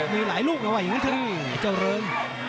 มีหลายลูกนะว่าอย่างงั้นที่ยังประสิทธิ์หลายเจ้าเริ่ม